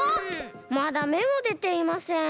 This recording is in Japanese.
まだめもでていません。